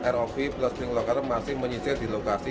rov plus tim lokator masih menyisir di lokasi